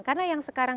karena yang sekarang